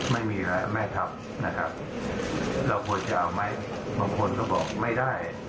ไม่มีแล้วแม่ทัพนะครับเราควรจะเอาไหมบางคนก็บอกไม่ได้